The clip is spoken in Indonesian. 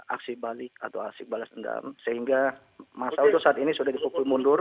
aksi balik atau aksi balas endam sehingga massa itu saat ini sudah dipukul mundur